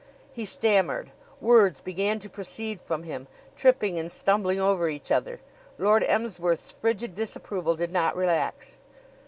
He stammered. Words began to proceed from him, tripping and stumbling over each other. Lord Emsworth's frigid disapproval did not relax.